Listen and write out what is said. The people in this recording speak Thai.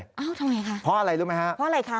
เอ้าทำไมคะเพราะอะไรรู้ไหมฮะเพราะอะไรคะ